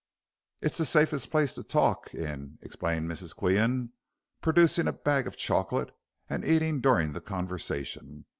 "It's the safest place to talk in," explained Miss Qian, producing a bag of chocolate and eating during the conversation.